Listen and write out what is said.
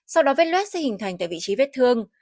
sau đó vết luet sẽ hình thành tại vị trí vết thương